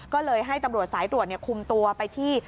ก็เลยให้ตำรวจสายตรวจคุมตัวไปที่